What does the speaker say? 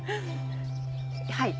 はい。